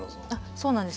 そうなんです。